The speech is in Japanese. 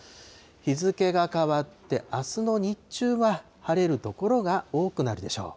日付が変わってあすの日中は晴れる所が多くなるでしょう。